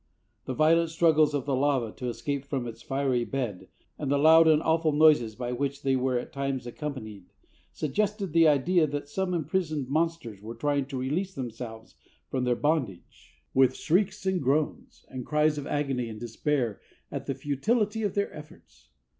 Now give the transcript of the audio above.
The violent struggles of the lava to escape from its fiery bed, and the loud and awful noises by which they were at times, accompanied, suggested the idea that some imprisoned monsters were trying to release themselves from their bondage, with shrieks and groans, and cries of agony and despair at the futility of their efforts.